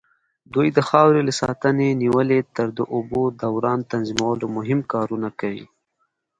دوی د خاورې له ساتنې نيولې تر د اوبو دوران تنظيمولو مهم کارونه کوي.